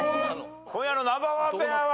今夜のナンバーワンペアは。